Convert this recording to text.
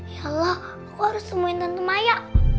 ya allah aku harus sembunyi tante maya